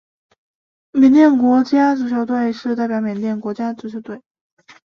缅甸国家足球队是代表缅甸的国家足球队。